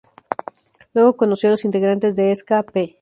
Luego conoció a los integrantes de Ska-p.